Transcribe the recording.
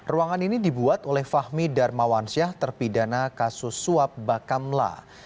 ruangan ini dibuat oleh fahmi darmawansyah terpidana kasus suap bakamla